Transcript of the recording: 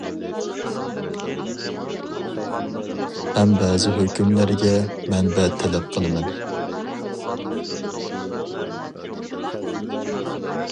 ھەم بەزى ھۆكۈملەرگە مەنبە تەلەپ قىلىمەن!